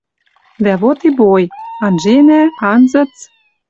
Дӓ вот и бой. Анженӓ — анзыц